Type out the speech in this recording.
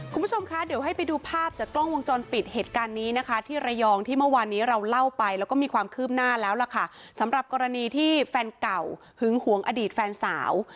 คุณผู้ชมคะเดี๋ยวให้ไปดูภาพจากกล้องวงจรปิดเหตุการณ์นี้นะคะที่ระยองที่เมื่อวานนี้เราเล่าไปแล้วก็มีความคืบหน้าแล้วล่ะค่ะสำหรับกรณีที่แฟนเก่าหึงหวงอดีตแฟนสาว